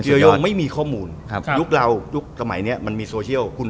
ยุคนี้มันง่ายก็มีโซเชียล